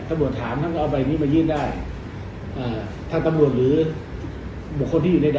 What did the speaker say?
นับแต่ก็เอาไปนี่มายืนได้ท่านตำรวจหรือบุคคลจริรอย่างนั้น